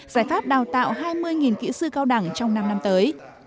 giải pháp đào tạo hai mươi kỹ sư cao đẳng trong năm năm tới